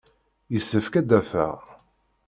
Yessefk ad d-afeɣ.